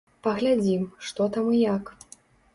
Паглядзім, што там і як.